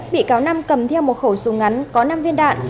bị cáo nam cầm theo một khẩu súng ngắn có năm viên đạn